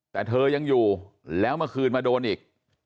แต่เธอยังอยู่แล้วเมื่อคืนมาโดนอีก